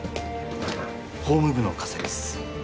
法務部の加瀬です